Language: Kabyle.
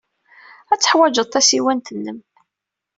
Ad teḥwijeḍ tasiwant-nnem.